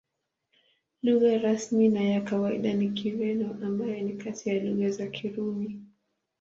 Lugha rasmi na ya kawaida ni Kireno, ambayo ni kati ya lugha za Kirumi.